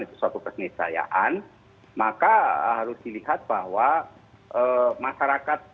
itu suatu kenisayaan maka harus dilihat bahwa masyarakat